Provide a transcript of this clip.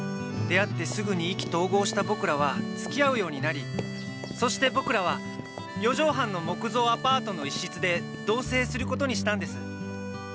出会ってすぐに意気投合した僕らはつきあうようになりそして僕らは四畳半の木造アパートの一室で同棲する事にしたんです。